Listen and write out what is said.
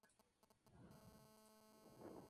El arma es construida con madera dura.